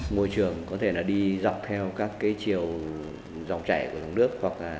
môi trường có thể đi dọc theo các chiều dòng chảy của nước